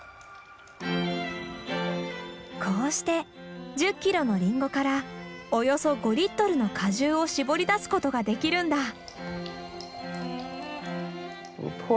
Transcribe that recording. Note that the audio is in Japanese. こうして１０キロのリンゴからおよそ５リットルの果汁をしぼり出すことができるんだ。